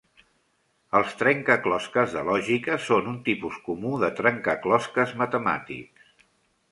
Els trencaclosques de lògica són un tipus comú de trencaclosques matemàtics.